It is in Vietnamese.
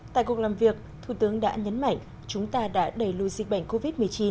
tại cuộc làm việc thủ tướng đã nhấn mạnh chúng ta đã đẩy lùi dịch bệnh covid một mươi chín